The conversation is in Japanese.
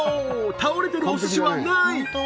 倒れてるお寿司はない！